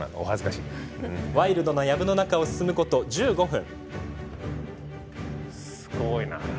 ワイルドな、やぶの中を進むこと１５分。